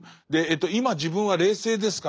「今自分は冷静ですか？